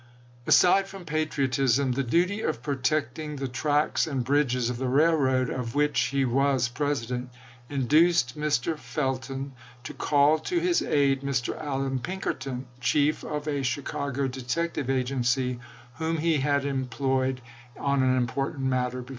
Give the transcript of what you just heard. Aside from patriotism, the duty of protecting the tracks and bridges of the railroad of which he was president induced Mr. Felton to call to his aid Mr. Allan Pinkerton, chief of a Chicago detective agency, whom he had before employed on an im portant matter.